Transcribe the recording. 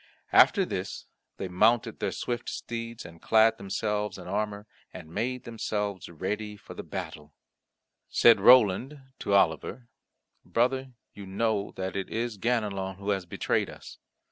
After this they mounted their swift steeds, and clad themselves in armour, and made themselves ready for the battle. Said Roland to Oliver, "Brother, you know that it is Ganelon who has betrayed us.